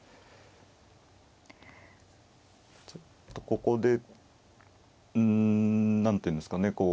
ちょっとここでなんていうんですかね。